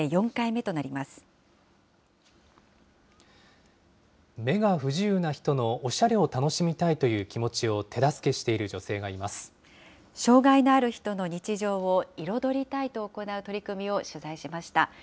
目が不自由な人のおしゃれを楽しみたいという気持ちを手助け障害のある人の日常を彩りたいと行う取り組みを取材しました。